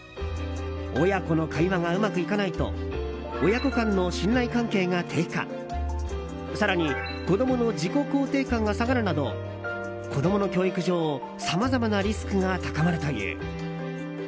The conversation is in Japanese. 親子の会話がうまくいかないと親子間の信頼関係が低下更に子供の自己肯定感が下がるなど子供の教育上さまざまなリスクが高まるという。